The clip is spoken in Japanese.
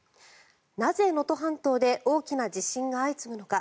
なぜ能登半島で大きな地震が相次ぐのか。